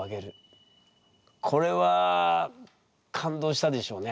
これは感動したでしょうね